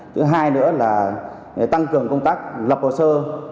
thứ hai nữa là tăng cường công tác lập hồ sơ